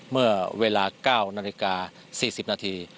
เมื่อเวลา๙นาฬิกา๔๐นาที